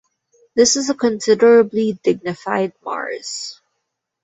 This is a considerably dignified Mars.